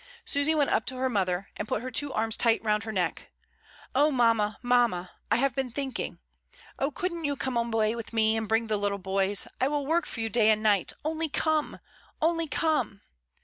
Susy went up to her mother, and put her two arms tight round her neck. "Oh, mamma! mamma! I have been thinking. Oh couldn't you come away with AFTERWARDS. II9 me, and bring the little boys? I will work for you day and night. Only come! Only come!"